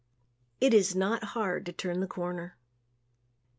It is not hard to turn the corner.